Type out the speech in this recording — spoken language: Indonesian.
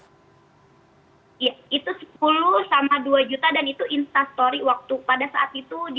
ya itu sepuluh sama dua juta